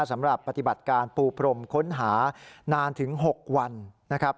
สำหรับปฏิบัติการปูพรมค้นหานานถึง๖วันนะครับ